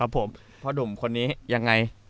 เพราะดมคนนี้